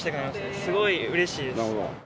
すごいうれしいです。